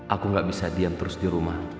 aku gak bisa diam terus di rumah